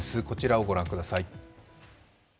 こちらを御覧ください。